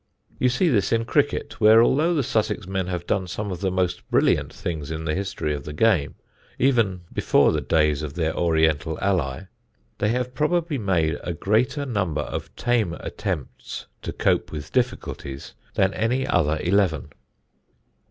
You see this in cricket, where although the Sussex men have done some of the most brilliant things in the history of the game (even before the days of their Oriental ally), they have probably made a greater number of tame attempts to cope with difficulties than any other eleven.